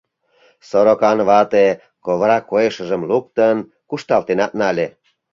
Сорокан вате, ковыра койышыжым луктын, кушталтенат нале.